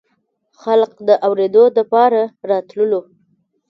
خلق د اورېدو دپاره راتللو